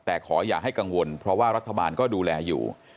แต่ขออย่าให้กังวลเพราะว่ารัฐบาลก็ดูแลอยู่